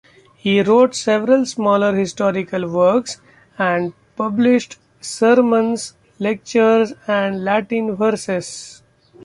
He wrote several smaller historical works, and published sermons, lectures and Latin verses.